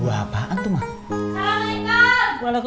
buah apaan tuh emang